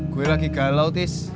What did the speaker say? gue lagi galau tis